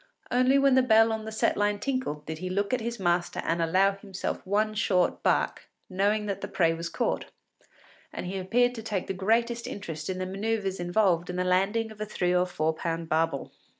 Only when the bell on the set line tinkled did he look at his master and allow himself one short bark, knowing that the prey was caught; and he appeared to take the greatest interest in the manœuvres involved in the landing of a three or four pound barbel.